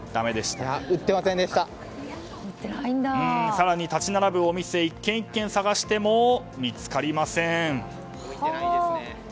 更に、立ち並ぶお店１軒１軒探しても見つかりません。